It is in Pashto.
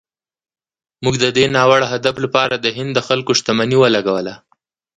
موږ د دې ناوړه هدف لپاره د هند د خلکو شتمني ولګوله.